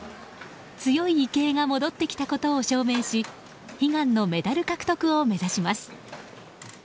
強い池江が戻ってきたことを証明し悲願のメダル獲得を目指します。